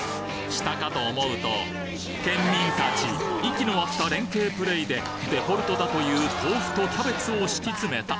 したかと思うと県民たち息の合った連携プレイでデフォルトだという豆腐とキャベツを敷き詰めた。